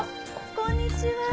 こんにちは。